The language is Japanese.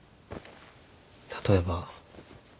例えば。